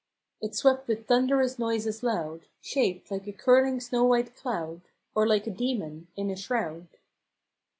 It swept with thunderous noises loud; Shaped like a curling snow white cloud, Or like a demon in a shroud.